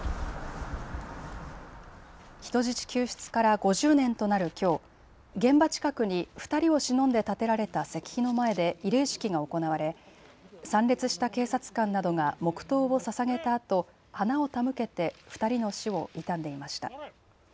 人質救出から５０年となるきょう、現場近くに２人をしのんで建てられた石碑の前で慰霊式が行われ、参列した警察官などが黙とうをささげたあと花を手向けて２人の死を悼んでいました。